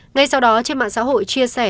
ngay sau đó trên mạng xã hội chia sẻ